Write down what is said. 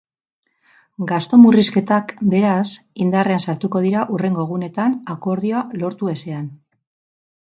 Gastu murrizketak, beraz, indarrean sartuko dira hurrengo egunetan akordioa lortu ezean.